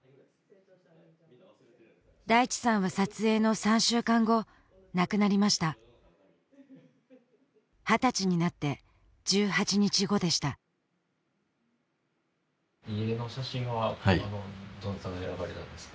大地さんは撮影の３週間後亡くなりました２０歳になって１８日後でした遺影の写真はどなたが選ばれたんですか？